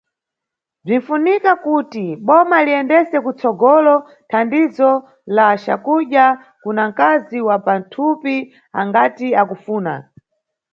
Bzinʼfunika kuti boma liyendese kutsogolo thandizo la cakudya kuna nkazi wa pathupi angati akufuna.